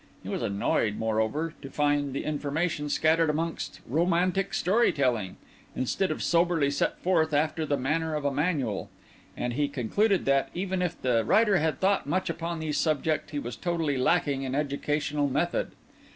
He was annoyed, moreover, to find the information scattered amongst romantic story telling, instead of soberly set forth after the manner of a manual; and he concluded that, even if the writer had thought much upon these subjects, he was totally lacking in educational method.